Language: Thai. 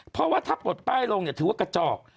เพราะว่าถ้าปลดป้ายลงถือว่ากระจอก